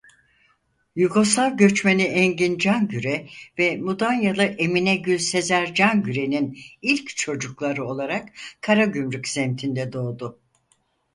Yugoslav göçmeni Engin Cangüre ve Mudanyalı Emine Gül Sezer Cangüre'nin ilk çocukları olarak Karagümrük semtinde doğdu.